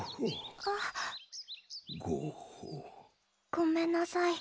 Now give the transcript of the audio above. ごめんなさい